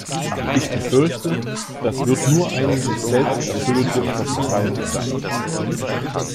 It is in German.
Ich befürchte, das wird nur eine sich selbst erfüllende Prophezeiung sein.